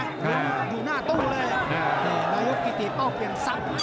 อยู่หน้าตู้เลยนายพ์กิติป้องเองซับ